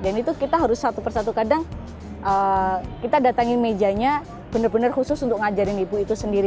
dan itu kita harus satu persatu kadang kita datangin mejanya bener bener khusus untuk ngajarin ibu itu sendiri